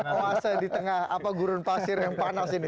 oase di tengah apa gurun pasir yang panas ini